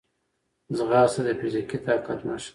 ځغاسته د فزیکي طاقت نښه ده